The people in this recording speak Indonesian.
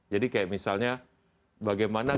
jadi kayak misalnya bagaimana